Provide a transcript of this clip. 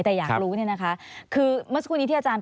แต่อยากรู้เนี่ยนะคะคือเมื่อสักครู่นี้ที่อาจารย์